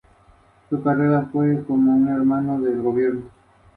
Es el único canal de noticias de el sistema de television estatal en Cuba.